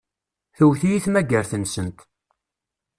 Tewwet-iyi tmagart-nsent.